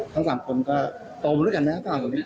ทั้งสามคนก็โตมาแล้วกันนะครับ